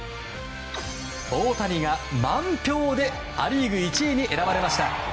大谷が満票でア・リーグ１位に選ばれました。